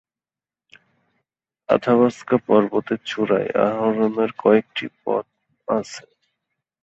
Athabasca পর্বতের চূড়ায় আরোহণের কয়েকটি পথ আছে।